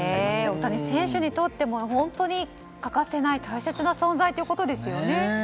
大谷選手にとっても本当に欠かせない大切な存在ということですよね。